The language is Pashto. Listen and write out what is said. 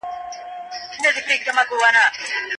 د باور او اعتماد ساتل د ملت ځواک دی.